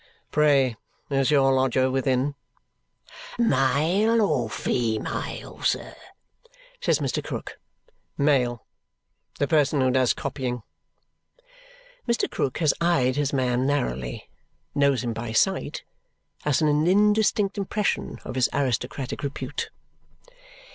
"Pray is your lodger within?" "Male or female, sir?" says Mr. Krook. "Male. The person who does copying." Mr. Krook has eyed his man narrowly. Knows him by sight. Has an indistinct impression of his aristocratic repute.